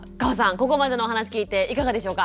ここまでのお話聞いていかがでしょうか？